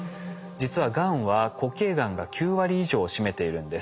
実はがんは固形がんが９割以上を占めているんです。